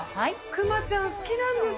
クマちゃん、好きなんです。